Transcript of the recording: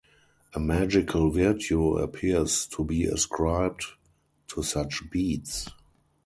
A magical virtue appears to be ascribed to such beads.